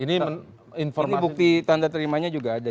ini bukti tanda terimanya juga ada